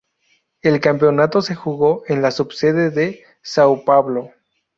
El campeonato se jugó en la subsede de São Paulo.